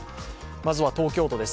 まずは東京都です。